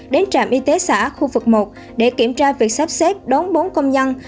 đến trạm y tế xã khu vực một để kiểm tra việc sắp xếp đón bốn công nhân